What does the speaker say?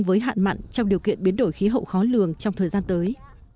với hạn mặn trong điều kiện biến đổi khí hậu khó lường trong thời gian tới